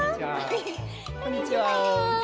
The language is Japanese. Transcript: こんにちは。